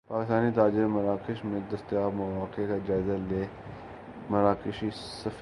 پاکستانی تاجر مراکش میں دستیاب مواقع کا جائزہ لیں مراکشی سفیر